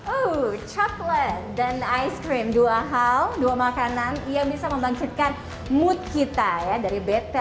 oh coklat dan ice cream dua hal dua makanan yang bisa membangkitkan mood kita ya dari bete